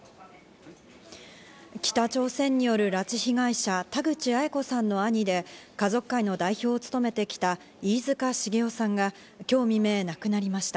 北朝鮮による拉致被害者・田口八重子さんの兄で家族会の代表を務めて来た飯塚繁雄さんが今日未明、亡くなりました。